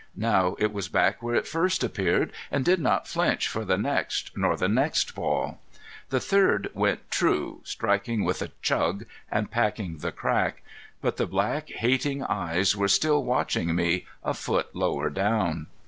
Now it was back where it first appeared, and did not flinch for the next, nor the next ball. The third went true, striking with a "chug" and packing the crack. But the black, hating eyes were still watching me a foot lower down.